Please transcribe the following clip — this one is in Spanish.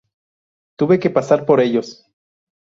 Tuve que pasar por ellos".